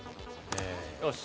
よし。